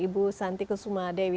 ibu santi kusuma dewi